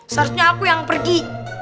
seharusnya aku yang pergi